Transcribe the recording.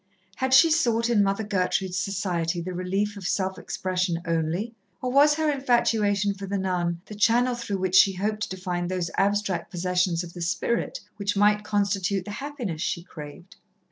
Had she sought in Mother Gertrude's society the relief of self expression only, or was her infatuation for the nun the channel through which she hoped to find those abstract possessions of the spirit which might constitute the happiness she craved?